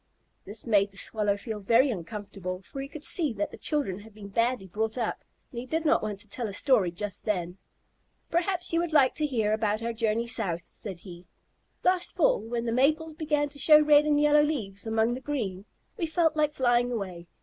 This made the Swallow feel very uncomfortable, for he could see that the children had been badly brought up, and he did not want to tell a story just then. "Perhaps you would like to hear about our journey south," said he. "Last fall, when the maples began to show red and yellow leaves among the green, we felt like flying away.